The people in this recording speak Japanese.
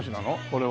これは。